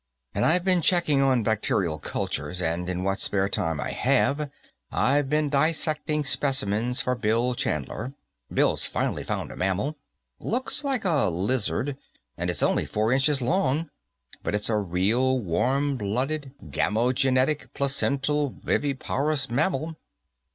And I've been checking on bacteria cultures, and in what spare time I have, I've been dissecting specimens for Bill Chandler. Bill's finally found a mammal. Looks like a lizard, and it's only four inches long, but it's a real warm blooded, gamogenetic, placental, viviparous mammal.